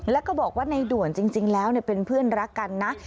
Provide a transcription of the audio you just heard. แล้วก็บอกว่าในด่วนจริงแล้วเป็นเพื่อนรักกันนะ